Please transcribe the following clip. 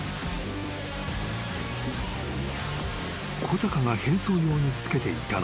［小坂が変装用につけていたのは］